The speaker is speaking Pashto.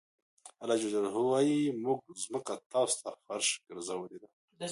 الله ج وایي موږ ځمکه تاسو ته فرش ګرځولې ده.